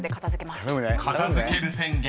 ［片付ける宣言。